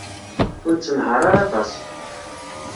Ur nettenhaṛ ara aṭas.